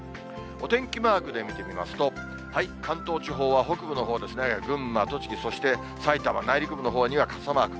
お天気マークで見てみますと、関東地方は北部のほうですね、群馬、栃木、そして埼玉、内陸部のほうには傘マーク。